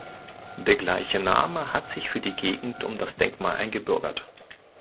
Der gleiche Name hat sich für die Gegend um das Denkmal eingebürgert.